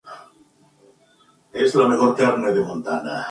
Luego del mundial tuvo un hijo.